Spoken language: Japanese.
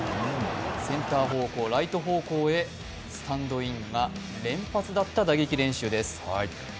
センター方向、ライト方向へスタンドインが連発だった打撃練習です。